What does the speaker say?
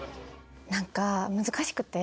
なんか難しくて。